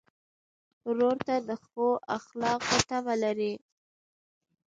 ورور ته د ښو اخلاقو تمه لرې.